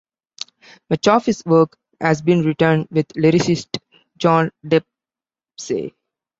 Much of his work has been written with lyricist John Dempsey.